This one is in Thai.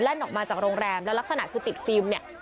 ออกมาจากโรงแรมแล้วลักษณะคือติดฟิล์มเนี่ย